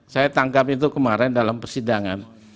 saya tangkap itu kemarin dalam persidangan